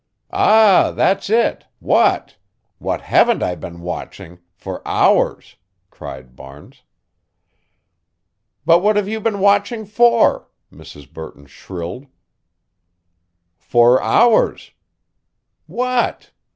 "Ah, that's it! What? What haven't I been watching for hours?" cried Barnes. "But what have you been watching for?" Mrs. Burton shrilled. "For hours" "What?"